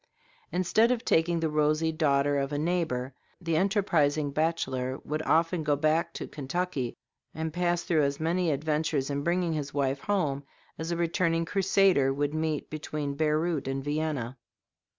Instead of taking the rosy daughter of a neighbor, the enterprising bachelor would often go back to Kentucky, and pass through as many adventures in bringing his wife home as a returning crusader would meet between Beirut and Vienna.